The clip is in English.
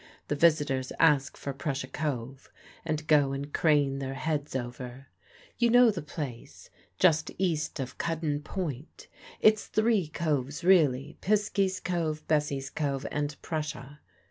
The visitors ask for Prussia Cove, and go and crane their heads over. You know the place? just east of Cuddan Point. It's three coves really; Pisky's Cove, Bessie's Cove, and Prussia.